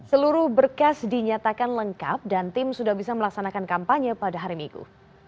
seluruh berkas dinyatakan lengkap dan tim sudah bisa melaksanakan kampanye pada hari minggu